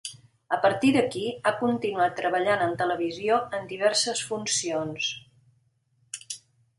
A partir d'aquí, ha continuat treballant en televisió en diverses funcions.